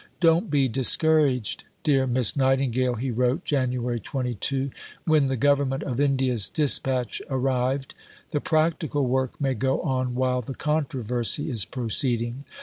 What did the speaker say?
"Don't be discouraged, dear Miss Nightingale," he wrote (Jan. 22) when the Government of India's dispatch arrived; "the practical work may go on while the controversy is proceeding.